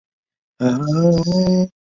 她与尚贞王育有一子四女。